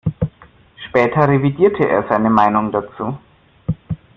Später revidierte er seine Meinung dazu.